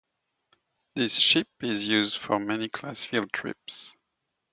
This ship is used for many class field trips.